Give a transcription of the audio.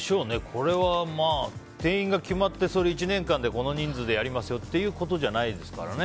これは定員が決まって１年間でこの人数でやりますよってことじゃないですからね。